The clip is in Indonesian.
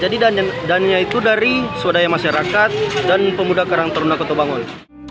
jadi dananya itu dari swadaya masyarakat dan pemuda karang terundang kota bangun